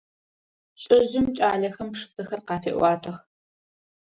Лӏыжъым кӏалэхэм пшысэхэр къафеӏуатэх.